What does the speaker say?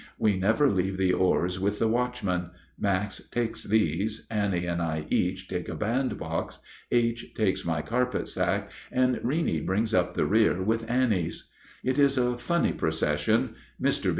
We never leave the oars with the watchman; Max takes these, Annie and I each take a band box, H. takes my carpet sack, and Reeney brings up the rear with Annie's. It is a funny procession. Mr.